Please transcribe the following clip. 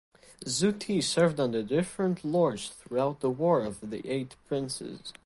Zu Ti served under different lords throughout the War of the Eight Princes.